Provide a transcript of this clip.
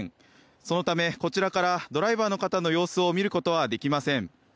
そのため、こちらからドライバーの方の様子を見ることはできません。